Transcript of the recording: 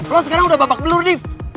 lo sekarang udah babak belur nih